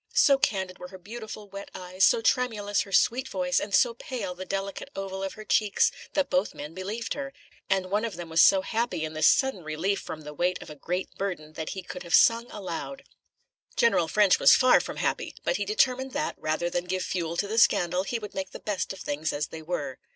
So candid were her beautiful, wet eyes, so tremulous her sweet voice, and so pale the delicate oval of her cheeks, that both men believed her, and one of them was so happy in this sudden relief from the weight of a great burden that he could have sung aloud. General Ffrench was far from happy; but he determined that, rather than give fuel to the scandal, he would make the best of things as they were.